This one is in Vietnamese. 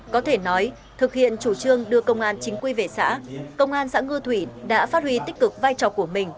có thể nói thực hiện chủ trương đưa công an chính quy về xã công an xã ngư thủy đã phát huy tích cực vai trò của mình